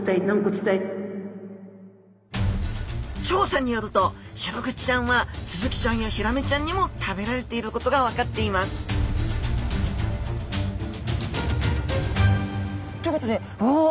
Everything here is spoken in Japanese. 調査によるとシログチちゃんはスズキちゃんやヒラメちゃんにも食べられていることが分かっていますということでうわあ！